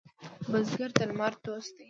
بزګر د لمر دوست دی